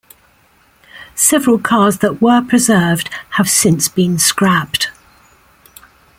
Several cars that were preserved have since been scrapped.